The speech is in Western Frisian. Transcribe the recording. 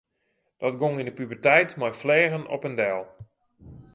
Dat gong yn de puberteit mei fleagen op en del.